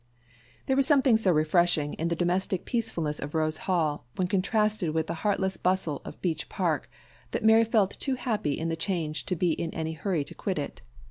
THERE was something so refreshing in the domestic peacefulness of Rose Hall, when contrasted with the heartless bustle of Beech Park, that Mary felt too happy in the change to be in any hurry to quit it.